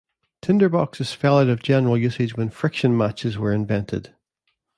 Tinderboxes fell out of general usage when friction matches were invented.